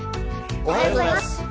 おはようございます。